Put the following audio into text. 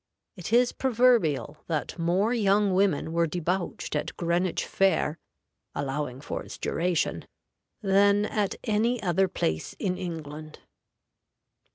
It is proverbial that more young women were debauched at Greenwich Fair (allowing for its duration) than at any other place in England.